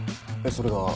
それが？